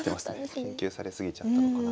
研究され過ぎちゃったのかな。